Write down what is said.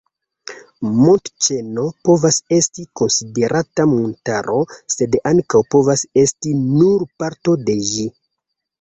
Montoĉeno povas esti konsiderata montaro, sed ankaŭ povas esti nur parto de ĝi.